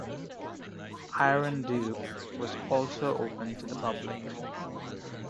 "Iron Duke" was also open to the public.